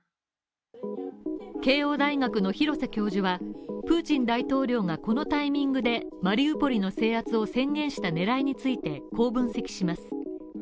慶応大学の廣瀬教授はプーチン大統領がこのタイミングで、マリウポリの制圧を宣言した狙いについてこう分析します。